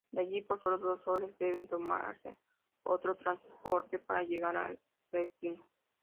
De allí, por solo dos soles, deben tomarse otro transporte para llegar a destino.